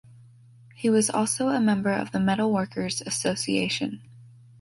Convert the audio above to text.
He was also a member of the metalworkers' association.